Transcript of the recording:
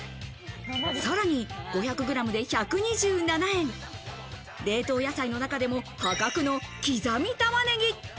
さらに５００グラムで１２７円、冷凍野菜の中でも破格の刻み玉ねぎ。